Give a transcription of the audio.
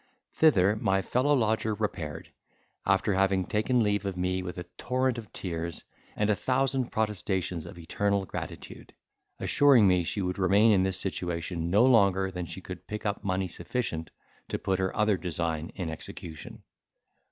Thither my fellow lodger repaired, after having taken leave of me with a torrent of tears, and a thousand protestations of eternal gratitude; assuring me she would remain in this situation no longer than she could pick up money sufficient to put her other design in execution.